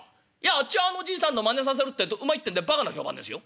あっちはあのじいさんのまねをさせるってえとうまいってんでばかな評判ですよ」。